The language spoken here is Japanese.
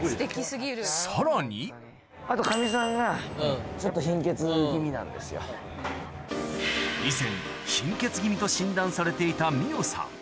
さらに以前貧血気味と診断されていたみおさん